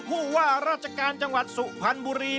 ผู้ว่าราชการจังหวัดสุพรรณบุรี